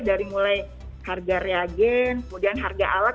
dari mulai harga reagen kemudian harga alat